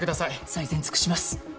最善尽くします。